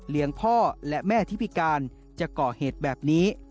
เลี้ยงพ่อและแม่ทิพิการจะเกาะเหตุแบบนี้